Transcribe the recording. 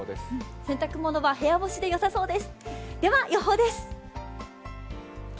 洗濯物は部屋干しでよさそうです。